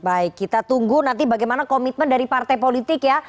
baik kita tunggu nanti bagaimana komitmen dari partai politik ya